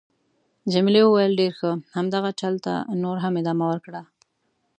جميلې وويل:: ډېر ښه. همدغه چل ته نور هم ادامه ورکړه.